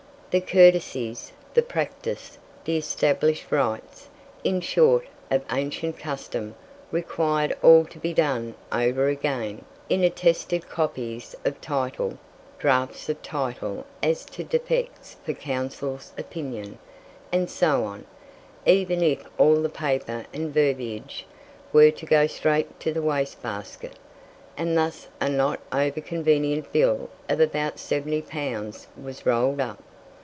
The courtesies, the practice, the established rights, in short, of ancient custom required all to be done over again, in attested copies of title, draughts of title as to defects for counsel's opinion, and so on, even if all the paper and verbiage were to go straight to the waste basket; and thus a not over convenient bill of about 70 pounds was rolled up.